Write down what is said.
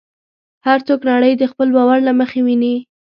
هر څوک نړۍ د خپل باور له مخې ویني.